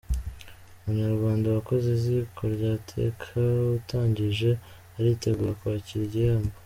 Umunyarwanda wakoze Iziko rya Teka utangije aritegura kwakira igihembo